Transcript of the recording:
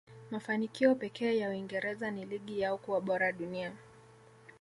mafanikio pekee ya uingereza ni ligi yao kuwa bora dunia